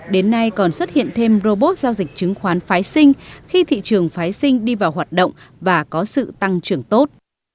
đến nay còn xuất hiện thêm robot giao dịch chứng khoán phái sinh khi thị trường phái sinh đi vào hoạt động và có sự tăng trưởng tốt